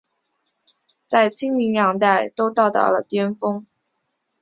在清民两代都到了顶峰。